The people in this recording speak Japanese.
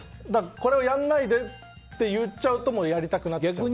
これをやらないでって言っちゃうとやりたくなっちゃうんで。